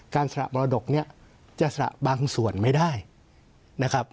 สระมรดกเนี่ยจะสระบางส่วนไม่ได้นะครับ